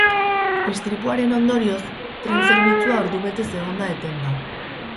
Istripuaren ondorioz tren-zerbitzua ordubetez egon da etenda.